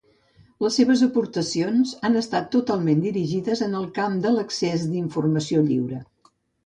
Les seves aportacions han estat totalment dirigides en el camp de l'accés d'informació lliure.